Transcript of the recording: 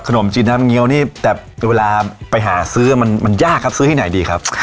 ขนมจีนน้ำเงี้ยวนี่แต่เวลาไปหาซื้อมันยากครับซื้อที่ไหนดีครับ